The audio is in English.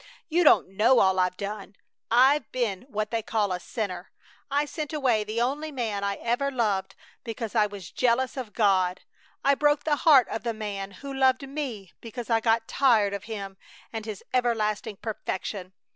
You don't know all I've done! I've been what they call a sinner! I sent away the only man I ever loved because I was jealous of God! I broke the heart of the man who loved me because I got tired of him and his everlasting perfection!